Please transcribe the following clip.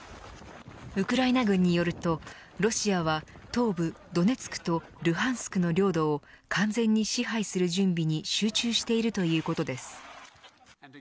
ウクライナ軍によるとロシアは東部ドネツクとルハンスクの領土を完全に支配する準備に集中しているということです。